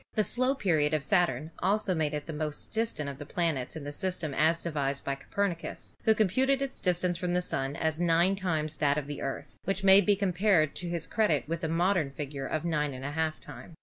The slow period of Saturn also made it the most distant of the planets in the system as devised by Copernicus, who computed its dis tance from the Sun as nine times that of the Earth, which may be compared to his credit with the modern figure of g T / 2 times.